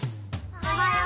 おはよう！